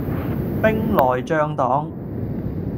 兵來將擋